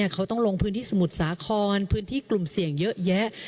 เขาต้องลงพื้นที่สมุทรสาครพื้นที่กลุ่มเสี่ยงเยอะแยะ